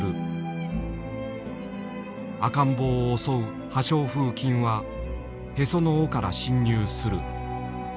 赤ん坊を襲う破傷風菌はへその緒から侵入する。